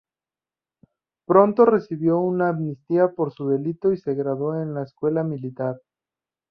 Pronto recibió una amnistía por su delito y se graduó en la Escuela Militar.